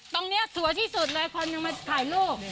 ตรงนี้สวยที่สุดเลยคนยังมาถ่ายรูป